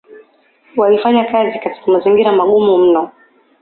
walifanya kazi katika mazingira magumu mno